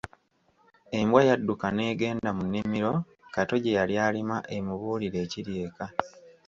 Embwa yadduka negenda mu nnimiro Kato gye yali alima emubuulire ekiri eka.